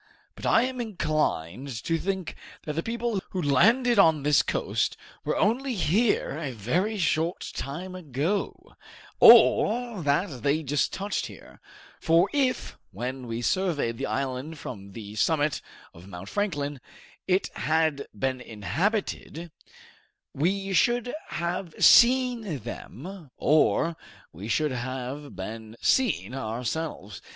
But I am inclined to think that the people who landed on this coast were only here a very short time ago, or that they just touched here; for if, when we surveyed the island from the summit of Mount Franklin, it had been inhabited, we should have seen them or we should have been seen ourselves.